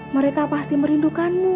mereka pasti merindukanmu